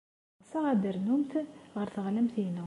Ɣseɣ ad d-ternumt ɣer teɣlamt-inu.